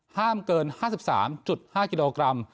ห้ามเกิน๕๓๕กิโลกรัม